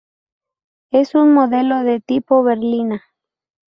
Es un modelo de tipo berlina.